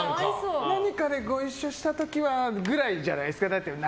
何かでご一緒した時はぐらいじゃないですか？